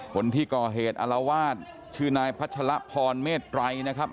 คนที่กอเหตุอระวาทชื่อนายพระธรรพรเมตรรัยนะครับ